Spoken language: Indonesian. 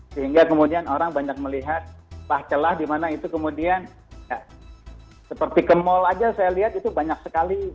sehingga kemudian orang banyak melihat celah dimana itu kemudian seperti ke mall aja saya lihat itu banyak sekali